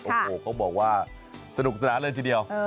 โอ้โหเขาบอกว่าสนุกสนานเลยทีเดียว